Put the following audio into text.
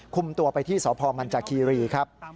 คุมตัวไปที่สพมันจากคีรีครับ